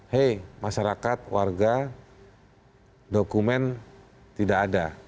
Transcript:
hei masyarakat warga dokumen tidak ada